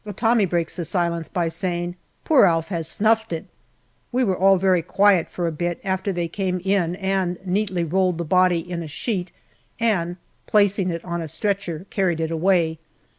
A Tommy breaks the silence by saying, " Poor Alf 'as snuffed it." We were all very quiet for a bit, after they came in and neatly rolled the body in a sheet, and, placing it on a stretcher, carried it away.